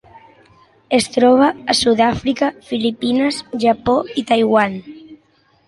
Es troba a Sud-àfrica, Filipines, Japó i Taiwan.